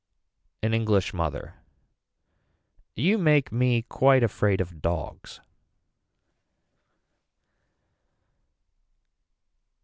An English mother. You make me quite afraid of dogs.